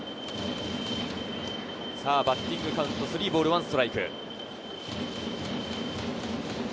バッティングカウント、３ボール１ストライク。